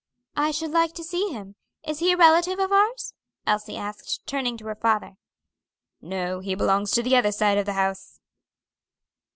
"I should like to see him. Is he a relative of ours?" Elsie asked, turning to her father. "No, he belongs to the other side of the house."